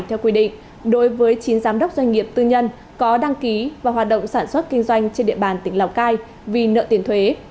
theo quy định đối với chín giám đốc doanh nghiệp tư nhân có đăng ký và hoạt động sản xuất kinh doanh trên địa bàn tỉnh lào cai vì nợ tiền thuế